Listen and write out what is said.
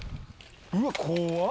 うわ怖っ！